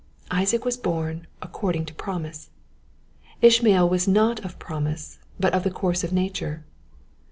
Isaac was born according to promise, Ish mael was not of promise, but of the course of na ture.